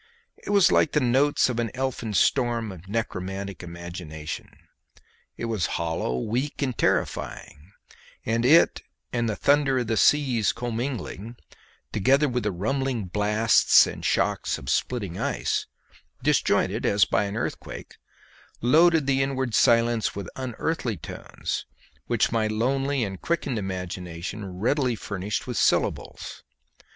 It was like the notes of an elfin storm of necromantic imagination; it was hollow, weak, and terrifying; and it and the thunder of the seas commingling, together with the rumbling blasts and shocks of splitting ice, disjointed as by an earthquake, loaded the inward silence with unearthly tones, which my lonely and quickened imagination readily furnished with syllables.